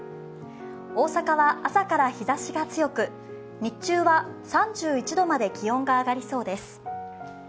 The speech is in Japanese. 大阪は朝から日ざしが強く日中は３１度まで気温が上がりそうです。